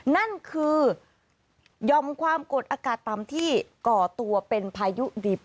นั่นคือยอมความกดอากาศต่ำที่ก่อตัวเป็นพายุดิบ